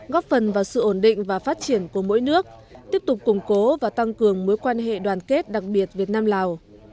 góp phần vào sự ổn định và phát triển của mỗi nước tiếp tục củng cố và tăng cường mối quan hệ đoàn kết đặc biệt việt nam lào